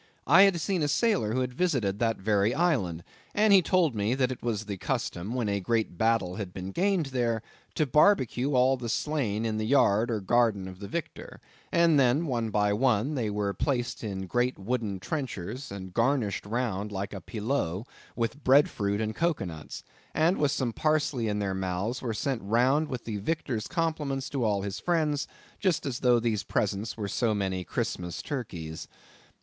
I had seen a sailor who had visited that very island, and he told me that it was the custom, when a great battle had been gained there, to barbecue all the slain in the yard or garden of the victor; and then, one by one, they were placed in great wooden trenchers, and garnished round like a pilau, with breadfruit and cocoanuts; and with some parsley in their mouths, were sent round with the victor's compliments to all his friends, just as though these presents were so many Christmas turkeys.